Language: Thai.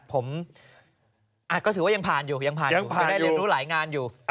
ผมก็ถือว่ายังผ่านอยู่ยังผ่านอยู่ได้เรียนรู้หลายงานอยู่